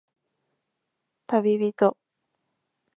たびびと